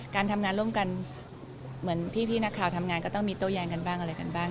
การทำงานร่วมกันเหมือนพี่นักข่าวทำงานก็ต้องมีโต้แย้งกันบ้างอะไรกันบ้าง